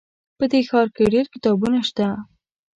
په دې ښار کې ډېر کتابتونونه شته